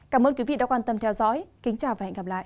cảm ơn quý vị đã quan tâm theo dõi kính chào và hẹn gặp lại